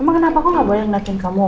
emang kenapa kau gak boleh ngeliatin kamu